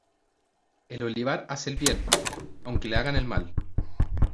El olivar hace el bien, aunque le hagan el mal.